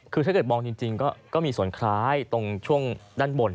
คือถ้าเกิดมองจริงก็มีส่วนคล้ายตรงช่วงด้านบน